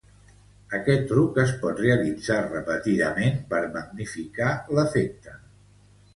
Aquest truc es pot realitzar repetidament per magnificar l'efecte.